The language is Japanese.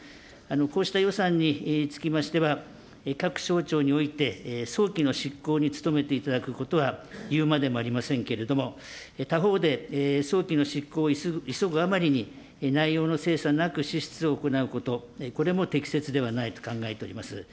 こうした予算につきましては、各省庁において早期の執行に努めていただくことは、いうまでもありませんけれども、他方で、早期の執行を急ぐあまりに、内容の精査なく支出を行うこと、これも適切ではないと考えております。